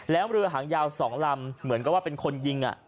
แล้วเรือหางยาว๒ลำเหมือนกับว่าเป็นคนยิง